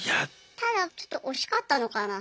ただちょっと惜しかったのかな？